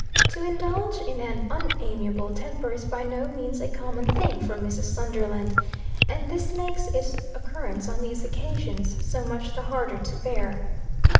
To indulge in an unamiable temper is by no means a common thing for Mrs. Sunderland, and this makes its occurrence on these occasions so much the harder to bear.